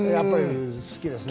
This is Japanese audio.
好きですね。